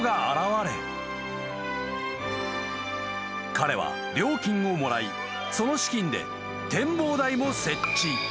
［彼は料金をもらいその資金で展望台も設置］